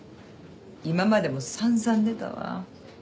今までも散々出たわ。